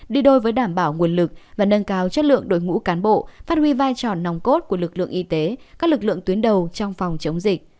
đi đôi với đảm bảo nguồn lực và nâng cao chất lượng đội ngũ cán bộ phát huy vai trò nòng cốt của lực lượng y tế các lực lượng tuyến đầu trong phòng chống dịch